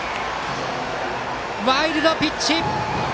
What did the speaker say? ワイルドピッチ！